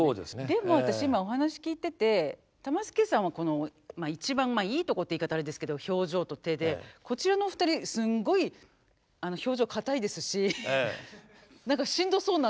でも私今お話聞いてて玉助さんはこの一番いいとこっていう言い方あれですけど表情と手でこちらの２人すんごい表情硬いですし何かしんどそうなんですけど。